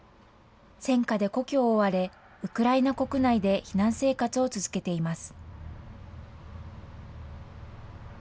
戦火で故郷を追われ、ウクライナ国内で避難生活を続けています。